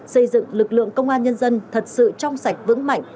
xây dựng lực lượng công an nhân dân thật sự trong sạch vững mạnh